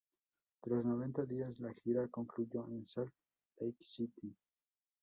Tras noventa días, la gira concluyó en Salt Lake City.